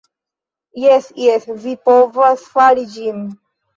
Jes jes, vi povas fari ĝin.